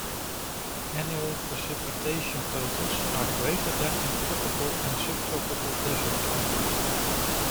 Annual precipitation totals are greater than in tropical and subtropical desert climates.